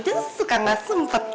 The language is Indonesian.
jangan suka gak sempet